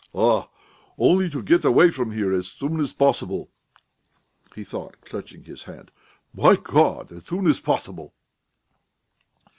"Ah! only to get away from here as soon as possible," he thought, clutching his head. "My God! as soon as possible."